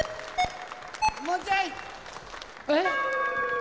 えっ？